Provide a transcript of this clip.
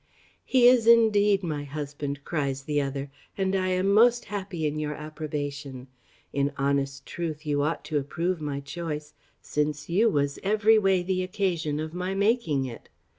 "He is, indeed, my husband," cries the other; "and I am most happy in your approbation. In honest truth, you ought to approve my choice; since you was every way the occasion of my making it.